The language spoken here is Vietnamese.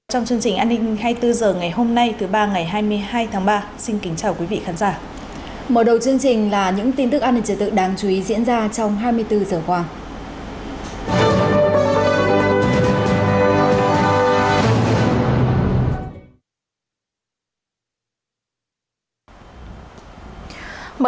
hãy đăng ký kênh để ủng hộ kênh của chúng mình nhé